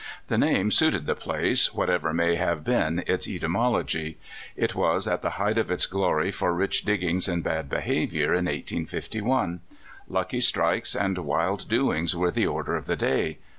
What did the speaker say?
The name suited the place, whatever may have been its ety mology. It was at the height of its glory for rich diggings and bad behavior in 1851. Lucky strikes and wild doings were the order of the day.